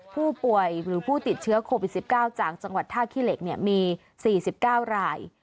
ผู้ป่วยหรือผู้ติดเชื้อโควิดสิบเก้าจากจังหวัดท่าขี้เหล็กเนี่ยมีสี่สิบเก้าราย